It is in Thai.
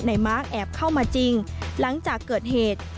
มาร์คแอบเข้ามาจริงหลังจากเกิดเหตุ